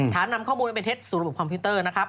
ถามนำข้อมูลไปเท็จสู่ระบบคอมพิวเตอร์นะครับ